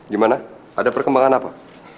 gimana ada perkembangan apa